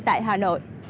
tại hà nội